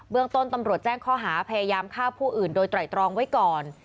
เมืองต้นตำรวจแจ้งข้อหาพยายามฆ่าผู้อื่นโดยไตรตรองไว้ก่อน